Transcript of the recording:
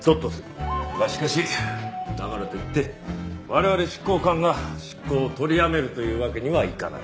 がしかしだからといって我々執行官が執行を取りやめるというわけにはいかない。